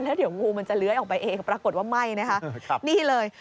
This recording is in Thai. แล้วเดี๋ยวงูมันจะเลื้อยออกไปเองปรากฏว่าไหม้นะคะนี่เลย